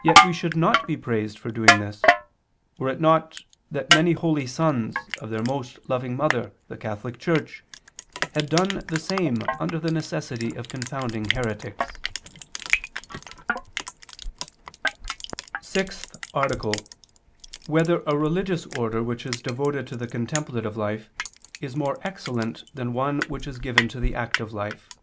Yet we should not be praised for doing this, were it not that many holy sons of their most loving mother the Catholic Church had done the same under the necessity of confounding heretics." _______________________ SIXTH ARTICLE [II II, Q. 188, Art. 6] Whether a Religious Order That Is Devoted to the Contemplative Life Is More Excellent Than on That Is Given to the Active Life?